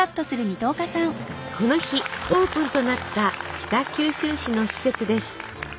この日オープンとなった北九州市の施設です。